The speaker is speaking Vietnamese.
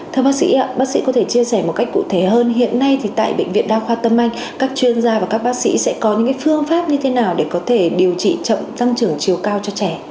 thưa bác sĩ bác sĩ có thể chia sẻ một cách cụ thể hơn hiện nay tại bệnh viện đa khoa tâm anh các chuyên gia và các bác sĩ sẽ có những phương pháp như thế nào để có thể điều trị chậm tăng trưởng chiều cao cho trẻ